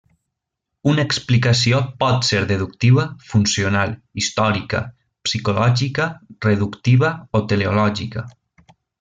Una explicació pot ser Deductiva, Funcional, Històrica, Psicològica, Reductiva o Teleològica.